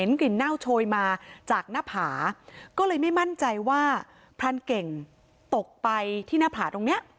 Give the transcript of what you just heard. กลิ่นเน่าโชยมาจากหน้าผาก็เลยไม่มั่นใจว่าพรานเก่งตกไปที่หน้าผาตรงเนี้ย